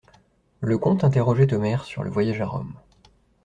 Le comte interrogeait Omer sur le voyage à Rome.